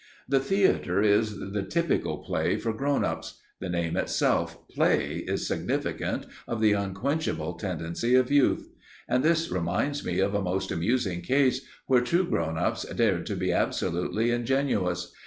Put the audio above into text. The theater is the typical play for grown ups; the name itself, "play," is significant of the unquenchable tendency of youth. And this reminds me of a most amusing case where two grown ups dared to be absolutely ingenuous.